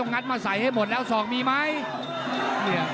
โอเคหมดแล้ว๒มีมั้ย